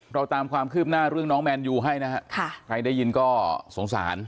เราตามความคืบหน้าเรื่องน้องแมนยูให้นะฮะค่ะใครได้ยินก็สงสาร